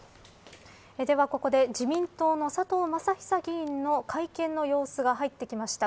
ではここで自民党の佐藤正久議員の会見の様子が入ってきました。